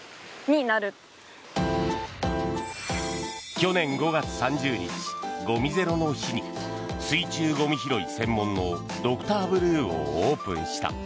去年５月３０日ゴミゼロの日に水中ゴミ拾い専門のＤｒ．ｂｌｕｅをオープンした。